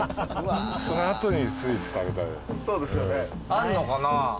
あんのかな？